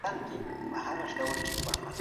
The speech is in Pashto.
ارتر لیوس د پرمختیا په اړه خپل نظر څرګند کړی دی.